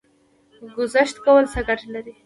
ګذشت کول څه ګټه لري؟